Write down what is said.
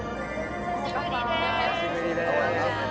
久しぶりです！